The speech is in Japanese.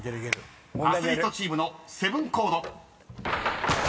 ［アスリートチームのセブンコード］